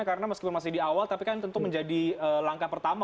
karena meskipun masih di awal tapi kan tentu menjadi langkah pertama